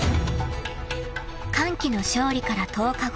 ［歓喜の勝利から１０日後］